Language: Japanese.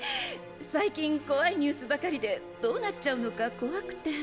最近怖いニュースばかりでどうなっちゃうのか怖くて。